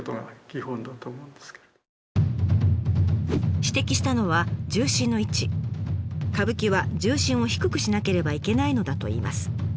指摘したのは歌舞伎は重心を低くしなければいけないのだといいます。